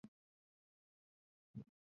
该文物保护单位由吉林市文管处管理。